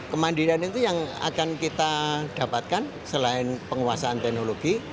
kemandirian itu yang akan kita dapatkan selain penguasaan teknologi